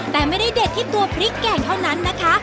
แต่ไม่ได้เด็ดที่ตัวพริกแกงเท่านั้นนะคะ